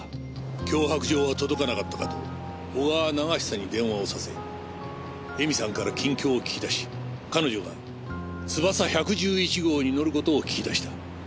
脅迫状は届かなかったかと小川長久に電話をさせ恵美さんから近況を聞き出し彼女がつばさ１１１号に乗ることを聞き出した。